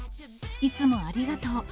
いつもありがとう。